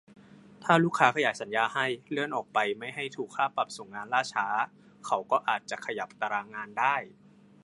ถ้าลูกค้าขยายสัญญาให้ เลื่อนออกไปไม่ให้ถูกค่าปรับส่งงานล่าช้า เขาก็อาจจะขยับตารางงานได้